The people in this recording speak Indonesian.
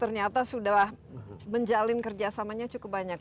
ternyata sudah menjalin kerjasamanya cukup banyak